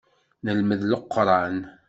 Nelmed Leqran.